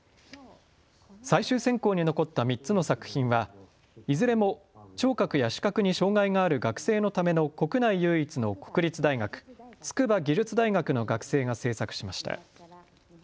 最終選考に残った３つの作品はいずれも聴覚や視覚に障害がある学生のための国内唯一の国立大学、筑波技術大学の学生が制作しました。